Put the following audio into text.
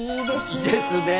いいですねえ。